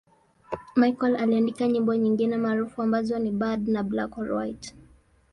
Michael aliandika nyimbo nyingine maarufu ambazo ni 'Bad' na 'Black or White'.